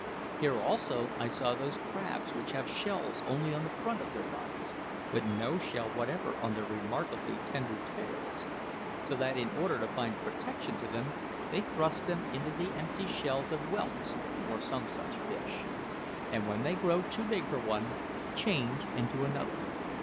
Here, also, I saw those crabs which have shells only on the front of their bodies, but no shell whatever on their remarkably tender tails, so that, in order to find a protection to them, they thrust them into the empty shells of whelks, or some such fish, and when they grow too big for one, change into another.